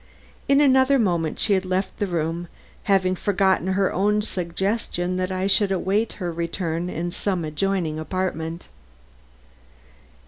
In another moment she had left the room, having forgotten her own suggestion that I should await her return in some adjoining apartment.